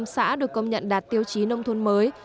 năm mươi năm xã được công nhận đạt tiêu chí nông thôn mới